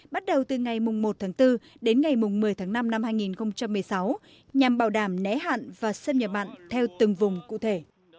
bắt đầu từ ngày một bốn đến ngày một mươi năm hai nghìn một mươi sáu nhằm bảo đảm nẻ hạn và xâm nhập mặn theo từng vùng cụ thể